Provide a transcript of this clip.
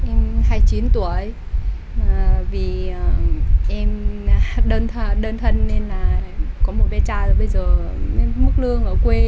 em hai mươi chín tuổi vì em đơn thân nên là có một bé tra rồi bây giờ mức lương ở quê